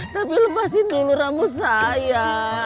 tapi lepasin dulu ramu saya